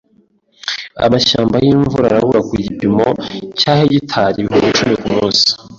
Amashyamba yimvura arabura ku gipimo cya hegitari ibihumbi icumi kumunsi.